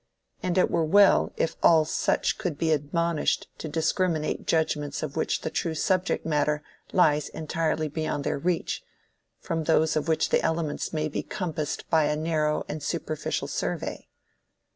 And it were well if all such could be admonished to discriminate judgments of which the true subject matter lies entirely beyond their reach, from those of which the elements may be compassed by a narrow and superficial survey."